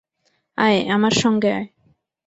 আয়, আমার সঙ্গে আয়।